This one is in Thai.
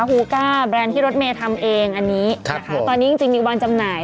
ฮูก้าแบรนด์ที่รถเมย์ทำเองอันนี้นะคะตอนนี้จริงมีวันจำหน่าย